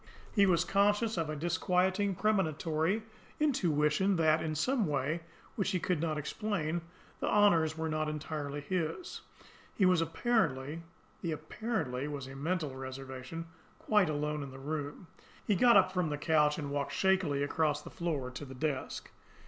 He was conscious of a disquieting, premonitory intuition that, in some way which he could not explain, the honours were not entirely his. He was apparently the "apparently" was a mental reservation quite alone in the room. He got up from the couch and walked shakily across the floor to the desk.